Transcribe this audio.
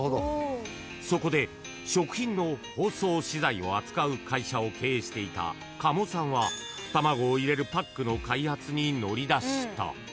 ［そこで食品の包装資材を扱う会社を経営していた加茂さんは卵を入れるパックの開発に乗り出した］